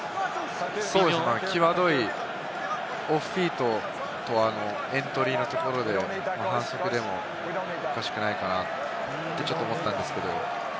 オフフィートとエントリーのところで反則でもおかしくないかなと思ったんですけど。